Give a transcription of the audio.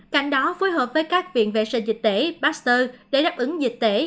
cảnh đó phối hợp với các viện vệ sinh dịch tễ pasteur để đáp ứng dịch tễ